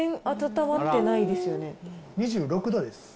２６度です。